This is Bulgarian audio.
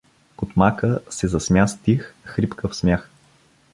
Кутмака се засмя с тих хрипкав смях.